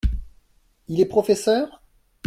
Il est professeur ?